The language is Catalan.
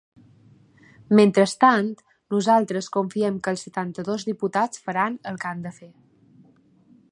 Mentrestant, nosaltres confiem que els setanta-dos diputats faran el que han de fer.